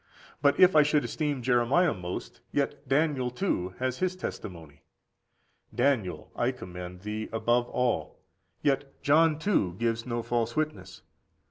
But if I should esteem Jeremiah most, yet Daniel too has his testimony. Daniel, I commend thee above all; yet John too gives no false witness.